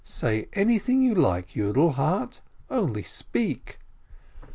Say anything you like, Yiidel heart, only speak."